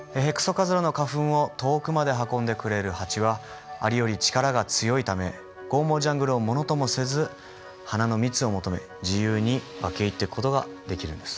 カズラの花粉を遠くまで運んでくれるハチはアリより力が強いため剛毛ジャングルをものともせず花の蜜を求め自由に分け入っていく事ができるんです。